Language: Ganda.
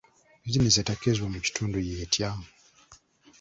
Bizinensi etakkirizibwa mu kitundu y'etya?